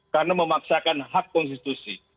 karena memaksakan hak konstitusi